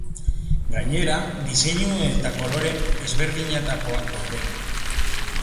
Gainera, diseinu eta kolore ezberdinetakoak daude.